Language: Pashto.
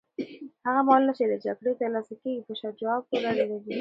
هغه مالونه چي له جګړې ترلاسه کیږي په شاه شجاع پوري اړه لري.